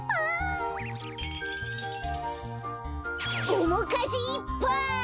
おもかじいっぱい！